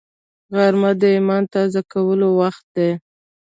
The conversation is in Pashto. غرمه د ایمان تازه کولو وخت دی